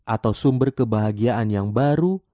atau sumber kebahagiaan yang baru